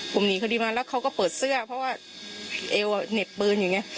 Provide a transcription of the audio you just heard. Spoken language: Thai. ผมหนีคดีมาแล้วเขาก็เปิดเสื้อเพราะว่าเอวเหน็บปืนอย่างนี้